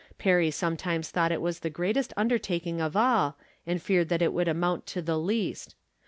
Perry sometimes thought it was the greatest undertaldng of all, and feared that it would amount to the least.